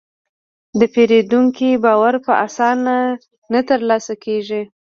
د پیرودونکي باور په اسانه نه ترلاسه کېږي.